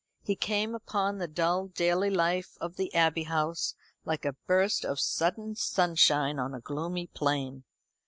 He came upon the dull daily life of the Abbey House like a burst of sudden sunshine on a gloomy plain.